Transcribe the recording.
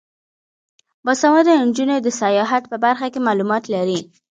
باسواده نجونې د سیاحت په برخه کې معلومات لري.